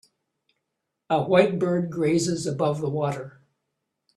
A white bird grazes above the water